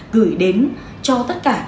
gửi đến cho tất cả